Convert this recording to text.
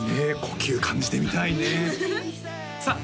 呼吸感じてみたいねさあ